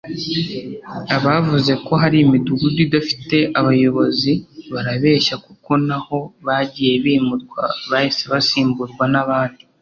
Abavuze ko hari imidugudu idafite abayobozi barabeshya kuko n’aho bagiye bimurwa bahise basimburwa n’abandi